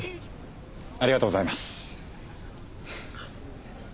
ありがとうございます。